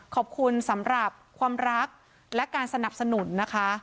ขอบคุณสำหรับความรักและการสนับสนุนนะคะ